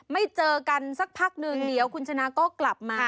ไม่เจอกันสักพักนึงเดี๋ยวคุณชนะก็กลับมา